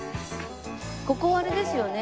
ここあれですよね